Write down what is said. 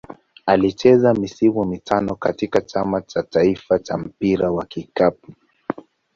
Alicheza misimu mitano katika Chama cha taifa cha mpira wa kikapu.